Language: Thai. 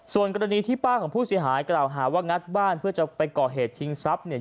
ส่วนกรณีที่ป้าของผู้เสียหายกล่าวหาว่างัดบ้านเพื่อจะไปก่อเหตุชิงทรัพย์เนี่ย